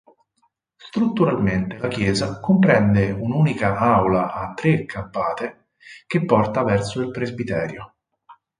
Strutturalmente la chiesa comprende un'unica aula a tre campate che porta verso il presbiterio.